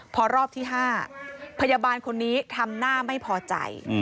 พอรอบที่๕พยาบาลคนนี้ทำหน้าไม่พอใจ